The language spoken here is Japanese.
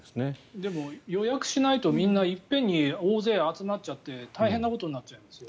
でも予約しないとみんな一遍に大勢集まっちゃって大変なことになりますよ。